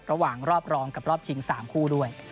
ระหว่างรอบรองกับรอบชิง๓คู่ด้วย